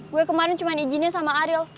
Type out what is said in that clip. gue kemarin cuma izinnya sama aril